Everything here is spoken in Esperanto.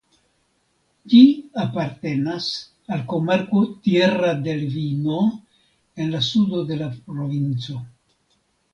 Ĝi apartenas al komarko Tierra del Vino en la sudo de la provinco.